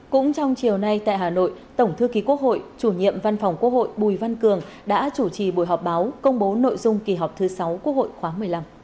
cũng trong chiều nay tại hà nội tổng thư ký quốc hội chủ nhiệm văn phòng quốc hội bùi văn cường đã chủ trì buổi họp báo công bố nội dung kỳ họp thứ sáu quốc hội khoáng một mươi năm